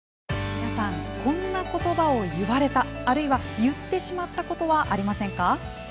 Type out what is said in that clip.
皆さんこんなことばを言われたあるいは言ってしまったことはありませんか。